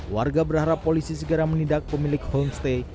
warga berharap polisi segera menindak pemilik homestay